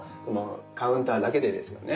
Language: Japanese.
カウンターだけでですよね